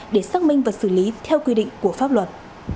để xác minh vật xử lý theo quy định của pháp luật